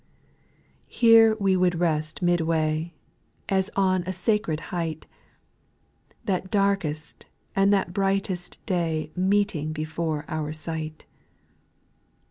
4. Here we would rest midway, As on a sacred height, That darkest and that brightest day Meeting before our sight.